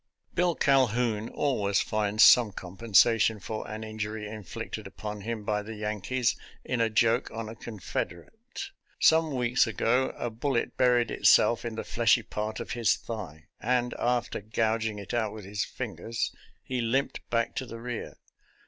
Bill Calhoun always finds some compensation for an injury inflicted upon him by the Yankees in a joke on a Confederate. Some weeks ago a bullet buried itself in the fleshy part of his thigh, and, after gouging it out with his fingers, he limped back to the rear.